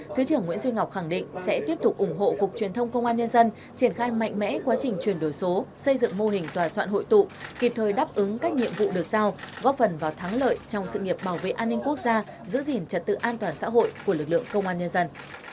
thứ trưởng nguyễn duy ngọc khẳng định sẽ tiếp tục ủng hộ cục truyền thông công an nhân dân triển khai mạnh mẽ quá trình chuyển đổi số xây dựng mô hình tòa soạn hội tụ kịp thời đáp ứng các nhiệm vụ được giao góp phần vào thắng lợi trong sự nghiệp bảo vệ an ninh quốc gia giữ gìn trật tự an toàn xã hội của lực lượng công an nhân dân